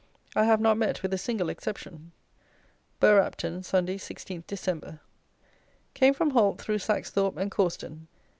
I have not met with a single exception. Bergh Apton, Sunday, 16 Dec. Came from Holt through Saxthorpe and Cawston.